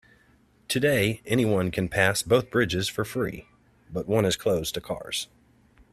Today, anyone can pass both bridges for free, but one is closed to cars.